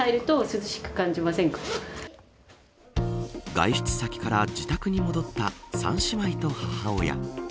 外出先から自宅に戻った３姉妹と母親。